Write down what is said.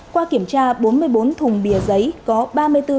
qua kiểm tra bốn mươi bốn thùng bìa giấy có bỏ lửa